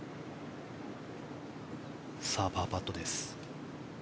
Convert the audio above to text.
パーパットです。